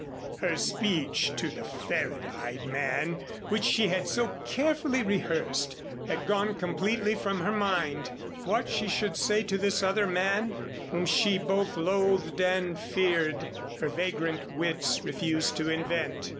Her speech to the ferret eyed man which she had so carefully rehearsed had gone completely from her mind. What she should say to this other man, whom she both loathed and feared, her vagrant wits refused to invent.